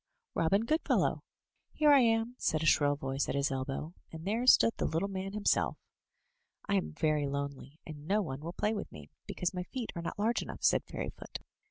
Robin Goodfellow!" "Here I am,*' said a shrill voice at his elbow; and there stood the little man himself. "I am very lonely, and no one will play with me, because my feet are not large enough," said Fairyfoot.